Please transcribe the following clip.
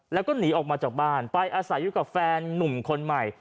แล้วก็หนีออกมาจากบ้านไปอาศัยอยู่กับแฟนนุ่มคนใหม่